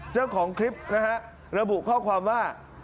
เจ้าของคลิปนะฮะระบุข้อความว่า